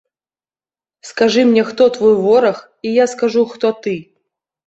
Скажы мне, хто твой вораг, і я скажу, хто ты.